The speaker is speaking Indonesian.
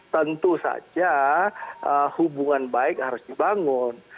tentu saja hubungan baik harus dibangun